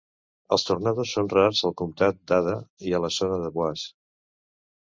Els tornados són rars al comtat d'Ada i a la zona de Boise.